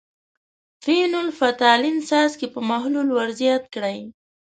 فینول – فتالین څاڅکي په محلول ور زیات کړئ.